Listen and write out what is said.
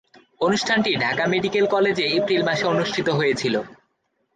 অনুষ্ঠানটি ঢাকা মেডিকেল কলেজে এপ্রিল মাসে অনুষ্ঠিত হয়েছিলো।